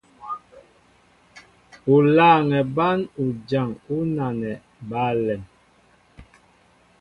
U lâŋɛ bán ujaŋ ú nanɛ ba alɛm.